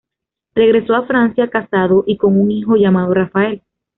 Regresó a Francia casado y con un hijo llamado Rafael.